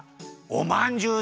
おまんじゅう！？